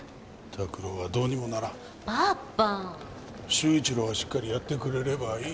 秀一郎がしっかりやってくれればいい。